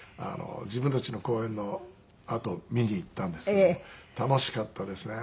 自分たちの公演のあと見に行ったんですけども楽しかったですね。